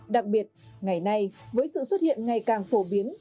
đặc biệt ngày nay với sự xuất hiện ngày càng phổ biến